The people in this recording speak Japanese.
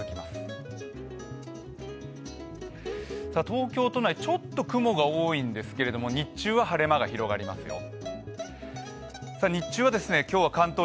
東京都内、ちょっと雲が多いんですけれども、日中は晴れ間が広がりますよ。